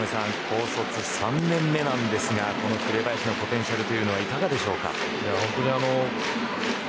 高卒３年目なんですがこの紅林のポテンシャルはいかがですか。